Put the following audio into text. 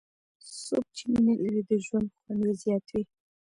څوک چې مینه لري، د ژوند خوند یې زیات وي.